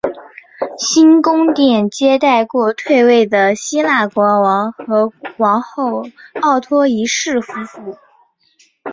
新宫殿接待过退位的希腊国王和王后奥托一世夫妇。